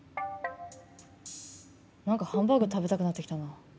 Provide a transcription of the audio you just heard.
なんかハンバーグ食べたくなってきたな。